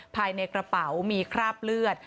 ภายในกระเป๋ามีคราบเลือด